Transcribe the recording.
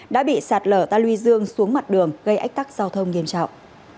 đã bị sạt lở ta luy dương xuống mặt đường gây ách tắc giao thông nghiêm trọng